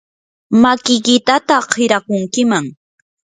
makiykitataq hirakunkiman.